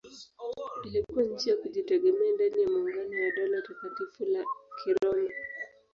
Ilikuwa nchi ya kujitegemea ndani ya maungano ya Dola Takatifu la Kiroma.